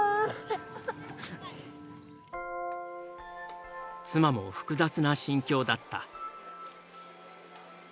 妻も複雑な心境だった。